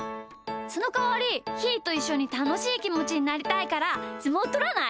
そのかわりひーといっしょにたのしいきもちになりたいからすもうとらない？